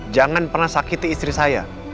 jangan pernah sakiti istri saya